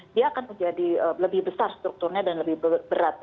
dia akan menjadi lebih besar strukturnya dan lebih berat